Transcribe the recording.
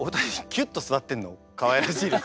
キュッと座ってんのかわいらしいです。